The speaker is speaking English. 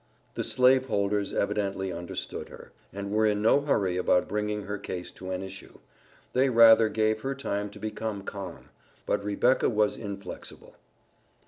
The slave holders evidently understood her, and were in no hurry about bringing her case to an issue they rather gave her time to become calm. But Rebecca was inflexible.